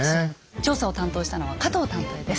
調査を担当したのは加藤探偵です。